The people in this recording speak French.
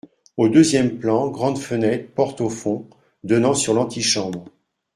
Au deuxième plan, grande fenêtre, porte au fond, donnant sur l’antichambre.